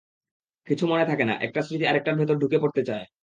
কিছু মনে থাকে না, একটা স্মৃতি আরেকটার ভেতরে ঢুকে পড়তে চায়।